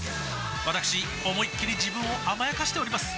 わたくし思いっきり自分を甘やかしております